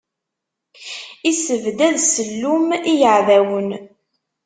Issebdad ssellum i yiɛdawen.